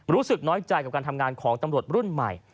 รู้สึกน้อยใจกับการทำงานของตำรวจรุ่นใหม่